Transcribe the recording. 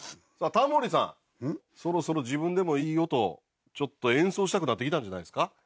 さあタモリさんそろそろ自分でもいい音ちょっと演奏したくなってきたんじゃないですか？